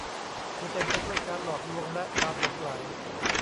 ที่เต็มไปด้วยการหลอกลวงและความหลงใหล